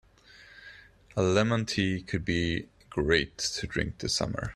A lemon tea could be great to drink this summer.